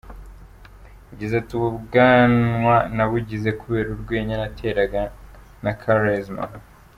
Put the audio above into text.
Yagize ati “Ubu bwanwa nabugize kubera urwenya nateraga na Quaresma.